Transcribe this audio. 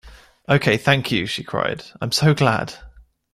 Oh thank you! she cried. I am so glad!